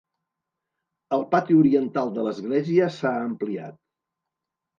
El pati oriental de l'església s'ha ampliat.